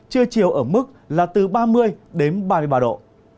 chưa chiều ở mức là từ ba mươi ba mươi ba độ